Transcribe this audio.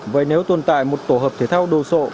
vậy nếu tồn tại một tổ hợp thể thao đồ sộ